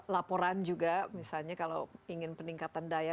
laporan juga misalnya kalau ingin peningkatan daya